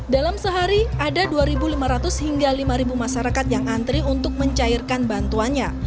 dalam sehari ada dua lima ratus hingga lima masyarakat yang antri untuk mencairkan bantuannya